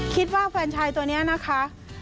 คิดว่าแฟนชายตัวนี้นะคะ